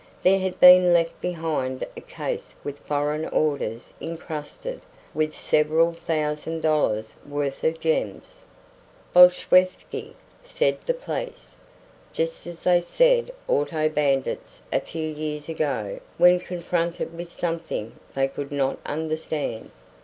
There had been left behind a case with foreign orders incrusted with several thousand dollars' worth of gems. Bolsheviki, said the police; just as they said auto bandits a few years ago when confronted with something they could not understand.